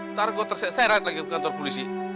ntar gue terseret lagi ke kantor polisi